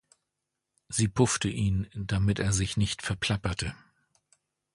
Sie puffte ihn, damit er sich nicht verplapperte.